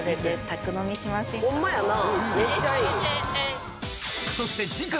ホンマやな。